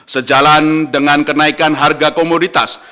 sejalan dengan kenaikan harga komoditas